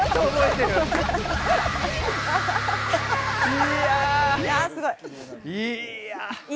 いや、すごい！